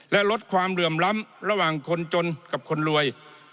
และลดความเหลื่อมล้ำระหว่างคนจนกับคนรวย